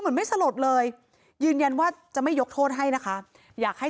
เหมือนไม่สลดเลยยืนยันว่าจะไม่ยกโทษให้นะคะอยากให้